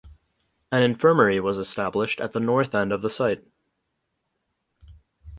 An infirmary was established at the north end of the site.